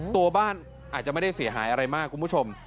ตัวบ้านอาจจะไม่ได้เสียหายอะไรมากคุณผู้ชม